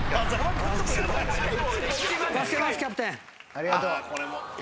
ありがとう。